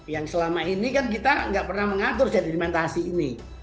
yang selama ini kan kita nggak pernah mengatur sedimentasi ini